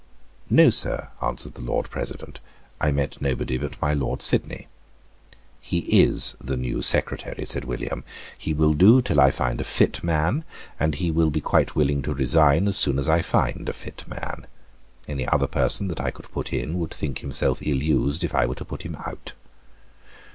"No, Sir," answered the Lord President; "I met nobody but my Lord Sidney." "He is the new Secretary," said William. "He will do till I find a fit man; and he will be quite willing to resign as soon as I find a fit man. Any other person that I could put in would think himself ill used if I were to put him out."